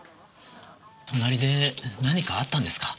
隣で何かあったんですか？